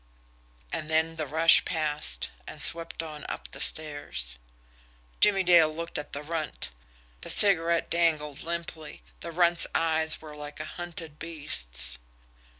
And then the rush passed, and swept on up the stairs. Jimmie Dale looked at the Runt. The cigarette dangled limply; the Runt's eyes were like a hunted beast's.